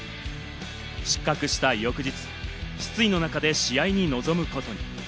失格した翌日、失意の中で試合に臨むことに。